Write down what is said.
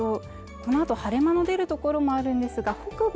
このあと晴れ間の出る所もあるんですが北部、